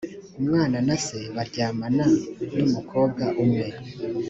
umwana na se baryamana n umukobwa umwe